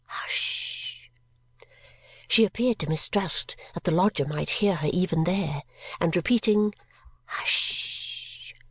Hush!" She appeared to mistrust that the lodger might hear her even there, and repeating "Hush!"